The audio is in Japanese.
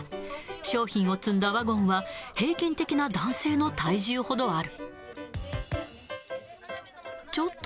商品を積んだワゴンは、平均的な男性の体重ほどある。